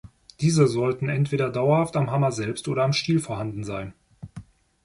Diese sollten entweder dauerhaft am Hammer selbst oder am Stiel vorhanden sein.